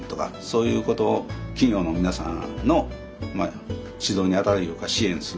そういうことを企業の皆さんの指導に当たるいうか支援するとか。